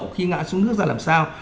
khi ngã xuống nước ra làm sao